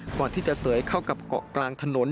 ก่อนที่จะเสยเข้ากับเกาะกลางถนน